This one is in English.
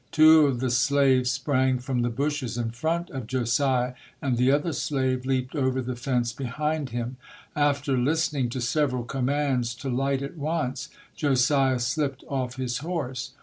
Two of the slaves sprang from the bushes in front of Josiah and the other slave leaped over the fence behind him. After listening to several commands to light at once, Josiah slipped off his horse.